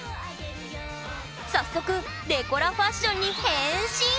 早速デコラファッションに変身！